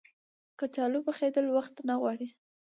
کچالو پخېدل وخت نه غواړي